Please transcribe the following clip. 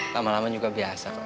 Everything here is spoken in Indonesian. lama lama juga biasa